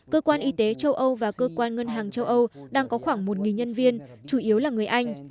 cơ quan y tế châu âu và cơ quan ngân hàng châu âu đang có khoảng một nhân viên chủ yếu là người anh